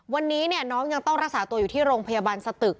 วันนี้น้องยังต้องรักษาตัวอยู่ที่โรงพยาบาลสตึก